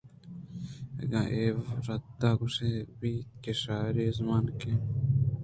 اگاں اے رد ءَ گوٛشگ بہ بیت کہ شاعری ءُآزمانک